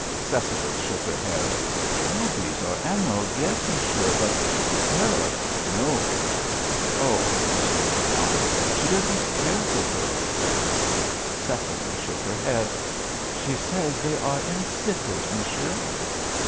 Cecily shook her head. "Rubies or emeralds, yes, monsieur, but pearls, no." "Oh," resumed John, "she doesn't care for pearls then?" Cecily shook her head. "She says they are insipid, monsieur."